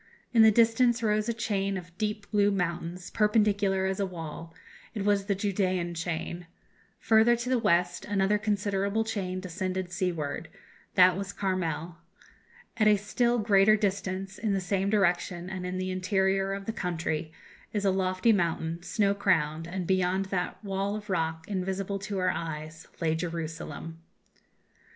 In the distance rose a chain of deep blue mountains, perpendicular as a wall; it was the Judæan chain. Further to the west, another considerable chain descended seaward; that was Carmel. At a still greater distance, in the same direction, and in the interior of the country, is a lofty mountain, snow crowned, and, beyond that wall of rock, invisible to our eyes, lay Jerusalem!"